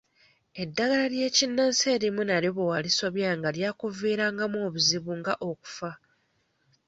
Eddagala ly'ennansi erimu nalyo bwe walisobyanga lyakuviirangamu obuzibu nga okufa.